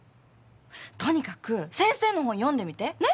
とにかく先生の本読んでみて！ね？